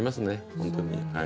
本当に。